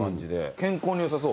健康によさそう。